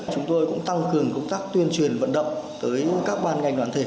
chúng tôi cũng tăng cường công tác tuyên truyền vận động tới các ban ngành đoàn thể